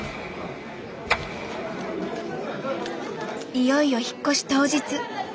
いよいよ引っ越し当日。